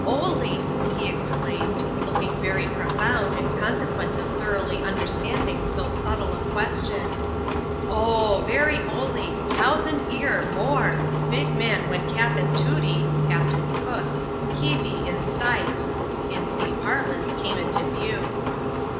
" Olee !" he exclaimed, looking very profound in consequence of thoroughly understand ing so subtile a question —" Oh! very olee — 'tousand 'ear — more — big man when Capin Tootee (Captain Cook) heavey in sight " (in sea parlance, came into view).